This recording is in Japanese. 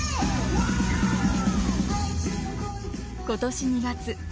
今年２月。